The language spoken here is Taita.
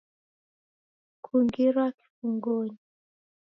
Kungirwa kifungonyi